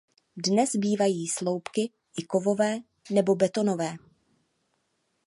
Dnes bývají sloupky i kovové nebo betonové.